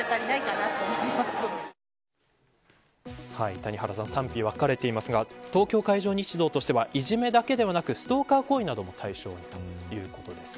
谷原さん賛否、分かれていますが東京海上日動としてはいじめだけではなくストーカー行為なども対象にということです。